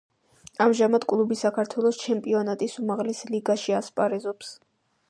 ამჟამად კლუბი საქართველოს ჩემპიონატის უმაღლეს ლიგაში ასპარეზობს.